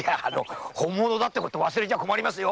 本物だってこと忘れちゃ困りますよ！